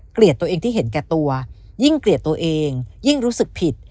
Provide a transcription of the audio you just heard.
ตัวเองที่เห็นแก่ตัวยิ่งเกลียดตัวเองยิ่งรู้สึกผิด